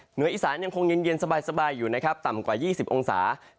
เหนืออีสานยังคงเย็นสบายอยู่นะครับต่ำกว่า๒๐องศา